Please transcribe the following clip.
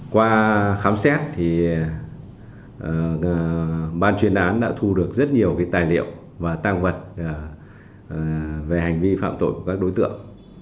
qua khám xét thì ban chuyên án đã thu được rất nhiều tài liệu và tăng vật về hành vi phạm tội của các đối tượng